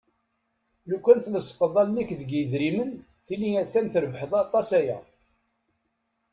Lukan tlesqeḍ allen-ik deg yidrimen tili a-t-an trebḥeḍ aṭas aya.